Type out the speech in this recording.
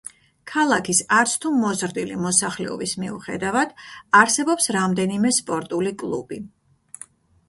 ქალაქის არც თუ მოზრდილი მოსახლეობის მიუხედავად, არსებობს რამდენიმე სპორტული კლუბი.